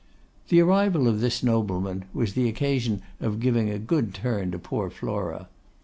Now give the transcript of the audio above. The arrival of this nobleman was the occasion of giving a good turn to poor Flora.